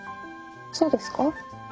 そうですか？